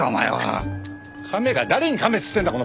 亀が誰に亀って言ってるんだ！